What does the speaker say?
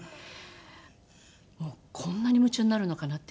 もうこんなに夢中になるのかなっていうぐらい。